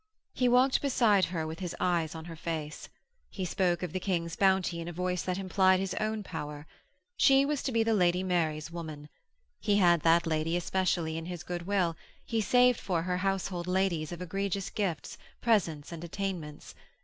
He walked beside her with his eyes on her face. He spoke of the King's bounty in a voice that implied his own power. She was to be the Lady Mary's woman. He had that lady especially in his good will, he saved for her household ladies of egregious gifts, presence and attainments.